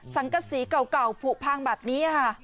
สังกษีเก่าผูกพังแบบนี้ค่ะ